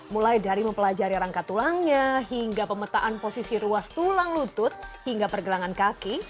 mulai dari mempelajari rangka tulangnya hingga pemetaan posisi ruas tulang lutut hingga pergelangan kaki